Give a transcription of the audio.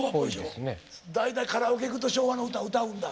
大体カラオケ行くと昭和の歌歌うんだ？